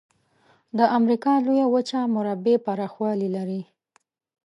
د امریکا لویه وچه مربع پرخوالي لري.